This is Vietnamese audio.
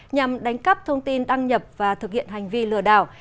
nhằm đánh cắp thông tin đăng nhập và thực hiện hành vi lừa đảo